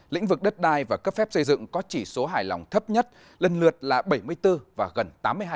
lĩnh vực đất đai và cấp phép xây dựng có chỉ số hài lòng thấp nhất lần lượt là bảy mươi bốn và gần tám mươi hai